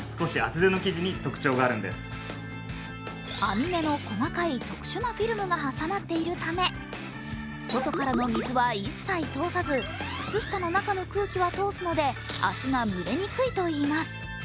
網目の細かい特殊なフィルムが挟まっているため、外からの水は一切通さず、靴下の中の空気は通すので足が蒸れにくいといいます。